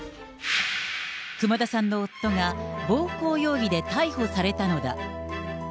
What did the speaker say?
熊田さんの夫が暴行容疑で逮捕されたのだ。